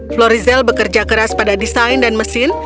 florizel bekerja keras pada desain dan mesin